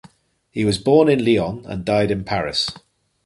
He was born in Lyon and died in Paris.